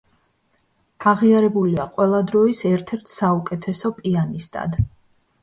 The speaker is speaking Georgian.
აღიარებულია ყველა დროის ერთ-ერთ საუკეთესო პიანისტად.